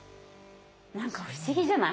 何か不思議じゃない？